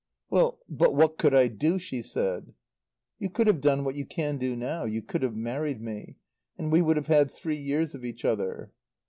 "Well but what could I do?" she said. "You could have done what you can do now. You could have married me. And we would have had three years of each other."